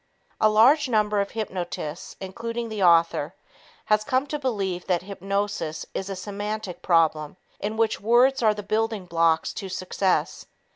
A large number of hypnotists, including the author, has come to believe that hypnosis is a semantic problem in which words are the building blocks to success.